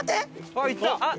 あっ行った！